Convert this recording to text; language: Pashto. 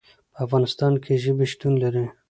په افغانستان کې ژبې شتون لري.